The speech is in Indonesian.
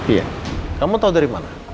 iya kamu tahu dari mana